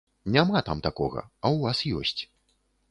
Няма там такога, а ў вас ёсць.